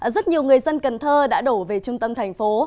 rất nhiều người dân cần thơ đã đổ về trung tâm thành phố